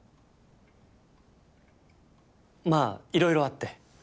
まあいろいろあって。